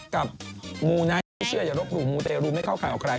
กับมูนายเชื่ออย่าลดลูกมูเตรียรูไม่เข้าใครออกไกล